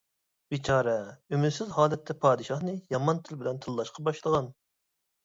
بىچارە ئۈمىدسىز ھالەتتە پادىشاھنى يامان تىل بىلەن تىللاشقا باشلىغان.